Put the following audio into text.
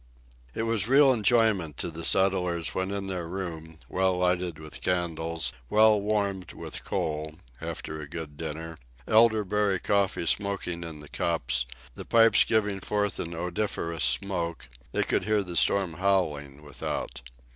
It was real enjoyment to the settlers when in their room, well lighted with candles, well warmed with coal, after a good dinner, elderberry coffee smoking in the cups, the pipes giving forth an odoriferous smoke, they could hear the storm howling without.